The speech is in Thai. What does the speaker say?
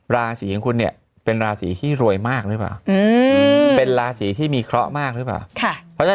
ราศีของคุณเนี่ยเป็นราศีที่รวยมากหรือเปล่าเป็นราศีที่มีเคราะห์มากหรือเปล่า